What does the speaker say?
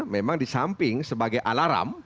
memang di samping sebagai alarm